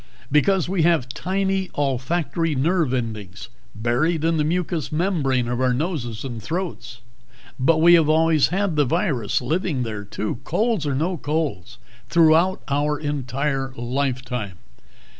Because we have tiny olfactory nerve endings buried in the mucous membrane of our noses and throats. But we have always had the virus living there, too, colds or no colds, throughout our entire lifetime.